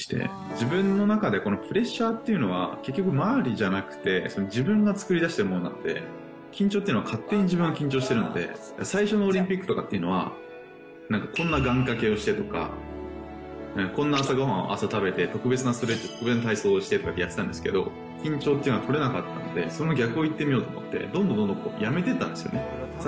自分の中でプレッシャーというのは、結局、周りじゃなくて、自分が作り出してるものなので、緊張っていうのは勝手に自分が緊張してるので、最初のオリンピックとかっていうのは、なんかこんな願掛けをしてとか、こんな朝ごはんを朝食べて、特別なストレッチ、体操をしてとかやってたんですけど、緊張というのは取れなかったんで、その逆をいってみようと思って、どんどんどんどんやめていったんですよね。